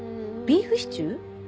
ビーフシチュー？